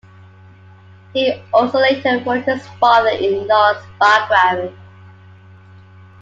He also later wrote his father-in-law's biography.